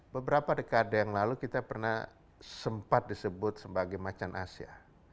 beberapa dekade yang lalu kita pernah sempat disebut sebagai macan asia